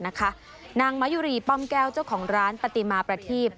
นางมายุรีป้อมแก้วเจ้าของร้านปฏิมาประทีป